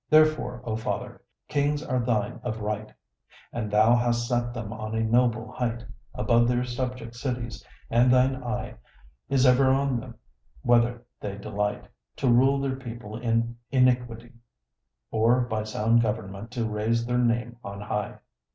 Therefore, O Father, kings are thine of right, And thou hast set them on a noble height Above their subject cities; and thine eye Is ever on them, whether they delight To rule their people in iniquity, Or by sound government to raise their name on high.